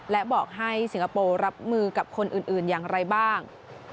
และบอกให้สิงคโปร์รับมือกับคนอื่นอย่างไรบ้าง